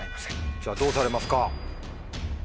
じゃあどうされますか？